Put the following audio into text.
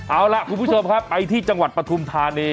เอาล่ะคุณผู้ชมครับไปที่จังหวัดปฐุมธานี